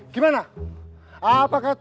siap pak red